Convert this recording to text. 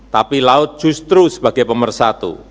tapi laut justru sebagai pemersatu